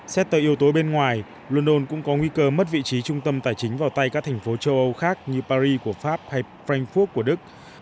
xét tới yếu tố bên ngoài london cũng có nguy cơ mất vị trí trung tâm tài chính vào tay các thành phố châu âu khác như paris của pháp hay pranh phố của đức